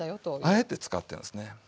あえて使ってるんですね。